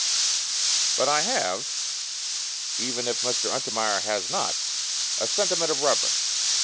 But I have, even if Mr. Untermeyer has not, a sentiment of reverence.